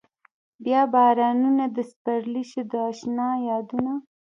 بيا بارانونه د سپرلي شو د اشنا يادونه